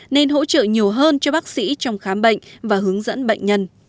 nên hỗ trợ nhiều hơn cho bác sĩ trong khám bệnh và hướng dẫn bệnh nhân